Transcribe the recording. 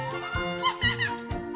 ハハハ！